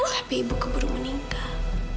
tapi ibu keburu meninggal